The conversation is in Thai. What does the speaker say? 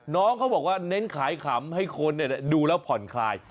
น้องเขาบอกว่าเน้นขายขำให้คนดูแล้วผ่อนคลาย